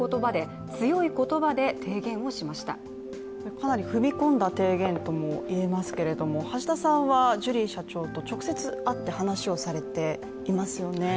かなり踏み込んだ提言とも言えますけれども、橋田さんはジュリー社長と直接会って話をされていますよね。